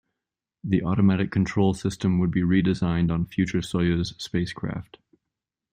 The automatic control system would be redesigned on future Soyuz spacecraft.